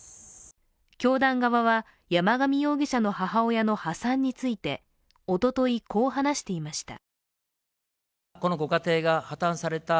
教団側は、山上容疑者の母親の破産についておととい、こう話していました。